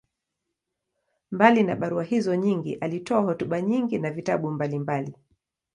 Mbali ya barua hizo nyingi, alitoa hotuba nyingi na vitabu mbalimbali.